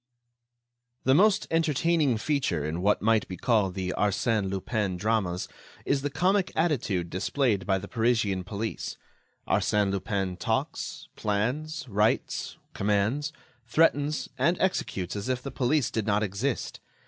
The most entertaining feature in what might be called the Arsène Lupin dramas is the comic attitude displayed by the Parisian police. Arsène Lupin talks, plans, writes, commands, threatens and executes as if the police did not exist.